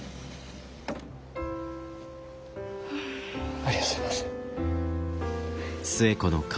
ありがとうございます。